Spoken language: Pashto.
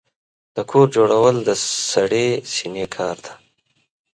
د کور جوړول د سړې سينې کار دی.